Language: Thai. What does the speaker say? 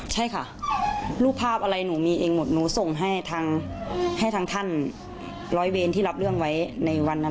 ใช่ค่ะรูปภาพอะไรหนูมีเองหมดหนูส่งให้ทางให้ทางท่านร้อยเวรที่รับเรื่องไว้ในวันนั้น